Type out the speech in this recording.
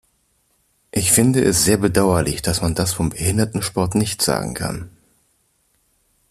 Ich finde es sehr bedauerlich, dass man das vom Behindertensport nicht sagen kann.